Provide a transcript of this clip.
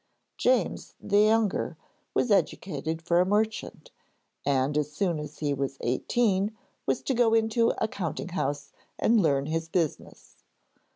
James, the younger, was educated for a merchant, and as soon as he was eighteen was to go into a counting house and learn his business.